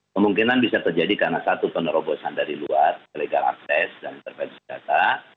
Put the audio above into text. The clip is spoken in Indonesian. kemungkinan bisa terjadi karena satu penerobosan dari luar illegal akses dan intervensi data